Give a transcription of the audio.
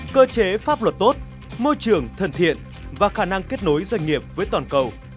cơ chế pháp luật tốt môi trường thân thiện và khả năng kết nối doanh nghiệp với toàn cầu